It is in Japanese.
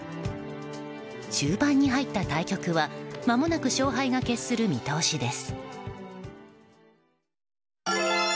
終盤に入った対局はまもなく勝敗が決する見通しです。